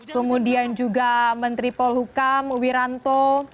kemudian juga menteri polhukam wiranto